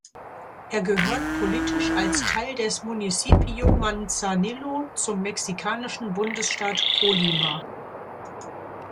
Er gehört politisch als Teil des Municipio Manzanillo zum mexikanischen Bundesstaat Colima.